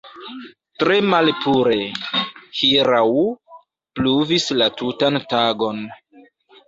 Tre malpure; hieraŭ pluvis la tutan tagon.